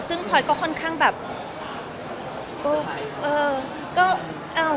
ซึ่งพลอยก็ค่อนข้างแบบเออ